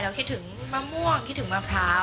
คิดถึงมะม่วงคิดถึงมะพร้าว